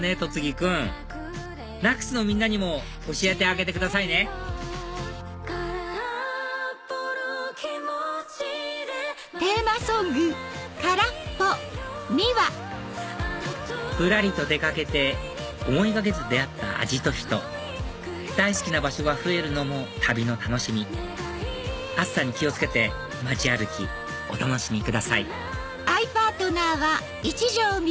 君ナックスのみんなにも教えてあげてくださいねぶらりと出かけて思いがけず出会った味と人大好きな場所が増えるのも旅の楽しみ暑さに気を付けて街歩きお楽しみください